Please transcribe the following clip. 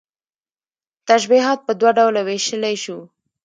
تشبيهات په دوه ډوله ويشلى شو